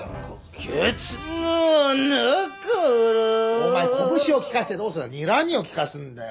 お前こぶしを利かせてどうするにらみを利かすんだよ！